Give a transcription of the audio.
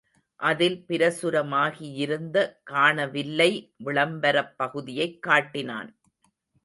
அதில் பிரசுரமாகியிருந்த ′காணவில்லை விளம்பரப் பகுதியைக் காட்டினான்.